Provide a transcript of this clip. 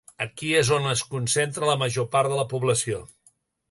Aquí és on es concentra la major part de la població.